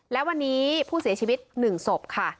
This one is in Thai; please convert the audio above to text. และวันนี้ผู้เสียชีวิต๑ศพค่ะ